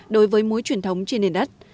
đối với muối truyền thống trên nền đất